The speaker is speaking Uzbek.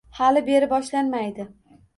Hali beri boshlanmaydi.